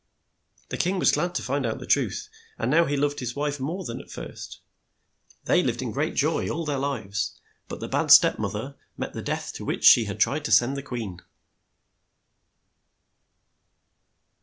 The king was glad to find out the truth, and now he loved his wife more than at first. They lived in great joy all their lives, but the bad step moth er met the death to which she had tried to send the queen.